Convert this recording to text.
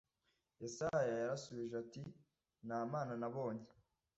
Yesaya yarashubije ati Nta Mana nabonye